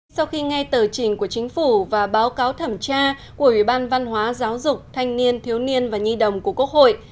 sau khi nghe tờ trình của chính phủ và báo cáo thẩm tra của ủy ban văn hóa giáo dục thanh niên thiếu niên và nhi đồng của quốc hội